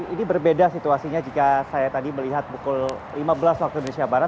ini berbeda situasinya jika saya tadi melihat pukul lima belas waktu indonesia barat